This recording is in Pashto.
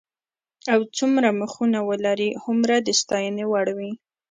او څومره مخونه ولري هومره د ستاینې وړ وي.